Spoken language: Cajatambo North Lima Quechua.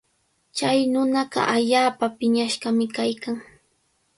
Chay nunaqa allaapa piñashqami kaykan.